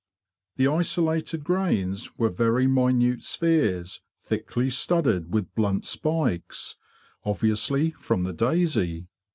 The isolated grains were very minute spheres thickly studded with blunt spikes—obviously from the daisy.